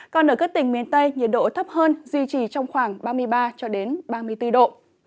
còn ở các tỉnh miền tây nhiệt độ thấp hơn duy trì trong khoảng ba mươi ba ba mươi bốn độ